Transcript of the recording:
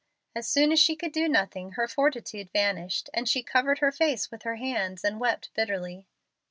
As soon as she could do nothing, her fortitude vanished, and she covered her face with her hands and wept bitterly.